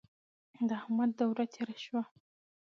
د احمد دوره تېره شوه.